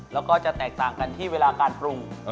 แล้วก็จะแตกต่างกันที่เวลาการปรุง